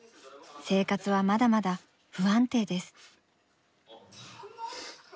生活はまだまだ不安定です。